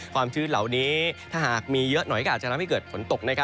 ชื้นเหล่านี้ถ้าหากมีเยอะหน่อยก็อาจจะทำให้เกิดฝนตก